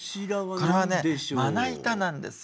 これはねまな板なんですよ。